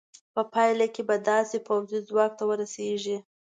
په پایله کې به داسې پوځي ځواک ته ورسېږې.